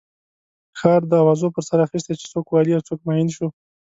ښار د اوازو پر سر اخستی چې څوک والي او څوک معین شو.